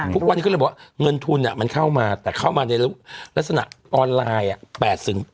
หัวหน้าคุณเลยบอกเงินทุนเข้ามาแต่เข้ามาในลักษณะออนไลน์